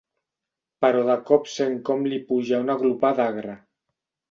Però de cop sent com li puja una glopada agra.